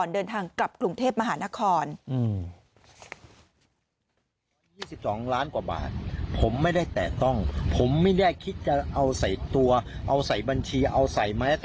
เดินทางกลับกรุงเทพมหานครได้สิบสาม